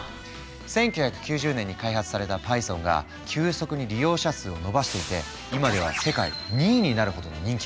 １９９０年に開発されたパイソンが急速に利用者数を伸ばしていて今では世界２位になるほどの人気ぶり。